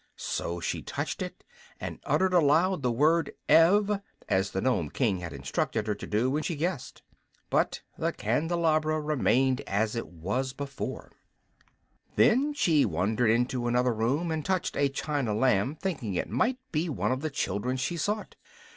So she touched it and uttered aloud the word "Ev," as the Nome King had instructed her to do when she guessed. But the candelabra remained as it was before. Then she wandered into another room and touched a china lamb, thinking it might be one of the children she sought.